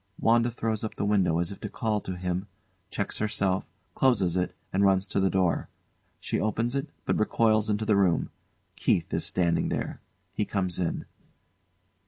WANDA throws up the window as if to call to him, checks herself, closes it and runs to the door. She opens it, but recoils into the room. KEITH is standing there. He comes in.